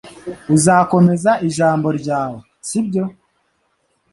Uzakomeza ijambo ryawe sibyo